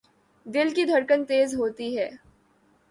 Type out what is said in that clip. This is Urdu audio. دل کی دھڑکن تیز ہوتی ہے